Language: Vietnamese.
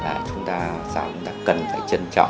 và chúng ta sao chúng ta cần phải trân trọng